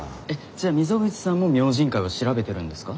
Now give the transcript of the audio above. じゃあ溝口さんも「明神会」を調べてるんですか？